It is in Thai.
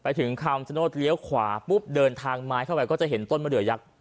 ถึงคำชโนธเลี้ยวขวาปุ๊บเดินทางไม้เข้าไปก็จะเห็นต้นมะเดือยักษ์